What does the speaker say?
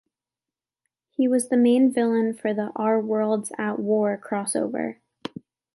He was the main villain for the "Our Worlds at War" crossover.